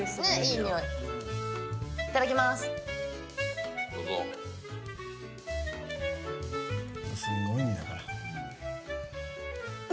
すごいんだから。